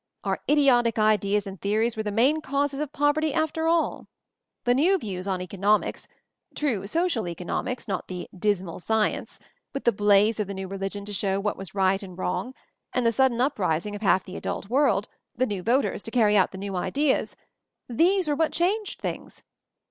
Our idiotic ideas and theories were the main causes of pov erty after all. The new views on economics — true social economics, not the "dismal sci ence* ; with the blaze of the new religion to show what was right and wrong, and the sudden uprising of half the adult world— the new voters — to carry out the new ideas ; these were what changed things